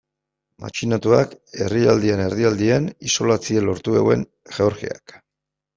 Matxinatuak herrialdearen erdialdean isolatzea lortu zuen Georgiak.